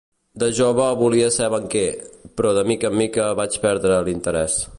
De jove volia ser banquer, però de mica en mica vaig perdre l'interès.